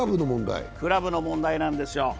クラブの問題なんですよ。